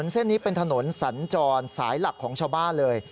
เส้นนี้เป็นถนนสัญจรสายหลักของชาวบ้านเลย